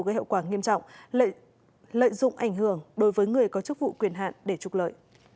gây hậu quả nghiêm trọng lợi dụng ảnh hưởng đối với người có chức vụ quyền hạn để trục lợi